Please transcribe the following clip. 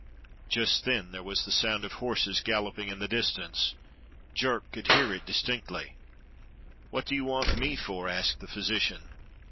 Just then there was the sound of horses galloping in the distance, Jerk could hear it distinctly. "What do you want me for?" asked the physician.